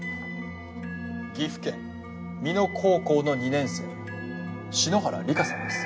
岐阜県美濃高校の２年生篠原梨花さんです。